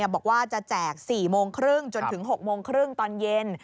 บอกว่าจะแจก๔โมงครึ่งจนถึง๖โมงครึ่งตอนเย็น